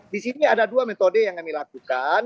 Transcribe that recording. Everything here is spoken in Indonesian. di sini ada dua metode yang kami lakukan